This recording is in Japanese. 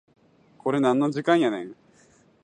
これなんの時間やねん